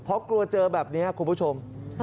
เพราะกลัวเจอแบบนี้ครับคุณผู้ชม